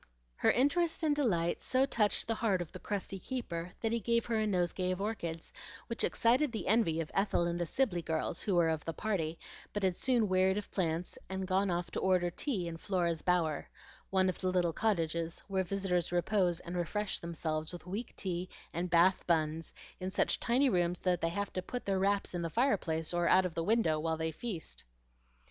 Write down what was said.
Her interest and delight so touched the heart of the crusty keeper that he gave her a nosegay of orchids, which excited the envy of Ethel and the Sibley girls, who were of the party, but had soon wearied of plants and gone off to order tea in Flora's Bower, one of the little cottages where visitors repose and refresh themselves with weak tea and Bath buns in such tiny rooms that they have to put their wraps in the fireplace or out of the window while they feast.